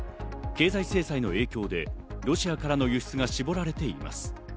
経済制裁の影響でロシアからの輸出は絞られています。